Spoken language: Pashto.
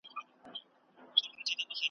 تر خلوته به دي درسي د رندانو آوازونه `